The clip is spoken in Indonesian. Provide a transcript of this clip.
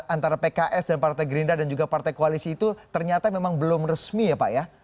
antara pks dan partai gerindra dan juga partai koalisi itu ternyata memang belum resmi ya pak ya